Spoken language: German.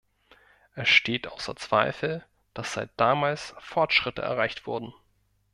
Es steht außer Zweifel, dass seit damals Fortschritte erreicht wurden.